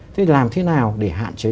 thế làm thế nào để hạn chế